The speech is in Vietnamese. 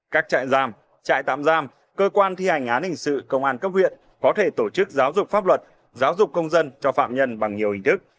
các trại giam trại tạm giam cơ quan thi hành án hình sự công an cấp huyện có thể tổ chức giáo dục pháp luật giáo dục công dân cho phạm nhân bằng nhiều hình thức